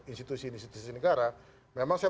institusi institusi negara memang saya